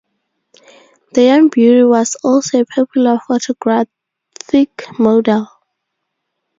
The young beauty was also a popular photographic model.